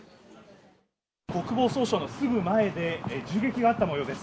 国防総省のすぐ前で銃撃があった模様です。